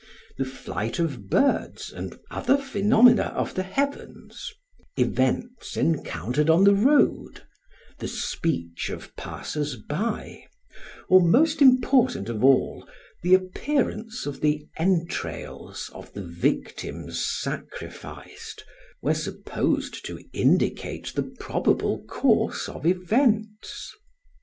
The flight of birds and other phenomena of the heavens, events encountered on the road, the speech of passers by, or, most important of all, the appearance of the entrails of the victims sacrificed were supposed to indicate the probable course of events.